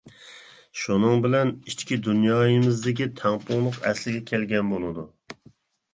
شۇنىڭ بىلەن ئىچكى دۇنيايىمىزدىكى تەڭپۇڭلۇق ئەسلىگە كەلگەن بولىدۇ.